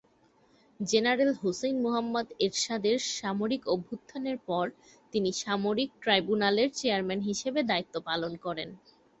General Hussain Muhammad এরশাদের সামরিক অভ্যুত্থানের পর তিনি সামরিক ট্রাইব্যুনালের চেয়ারম্যান হিসেবে দায়িত্ব পালন করেন।